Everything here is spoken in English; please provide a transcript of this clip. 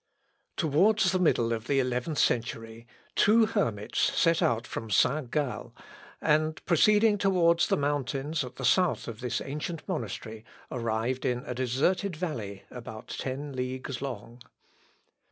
] Towards the middle of the eleventh century, two hermits set out from Saint Gall, and proceeding towards the mountains at the south of this ancient monastery, arrived in a deserted valley about ten leagues long.